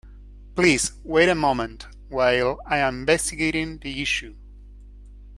Please wait a moment while I am investigating the issue.